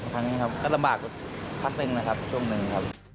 ครั้งนี้ครับก็ลำบากพักหนึ่งนะครับช่วงหนึ่งครับ